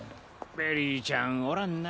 ベリーちゃんおらんな。